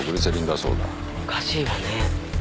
おかしいわね